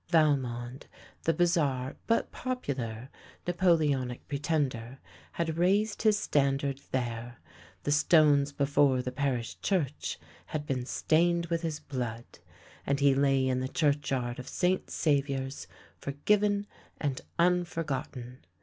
Valmond, the bizarre but popular Napoleonic pretender, had raised his standard there, the stones before the parish church had been stained with his blood, and he lay in the churchyard of St. Saviour's forgiven and unforgotten.